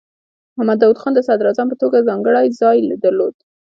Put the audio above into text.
محمد داؤد خان د صدراعظم په توګه ځانګړی ځای درلود.